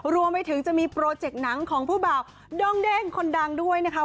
รวมไปถึงจะมีโปรเจกต์หนังของผู้บ่าวด้งเด้งคนดังด้วยนะคะ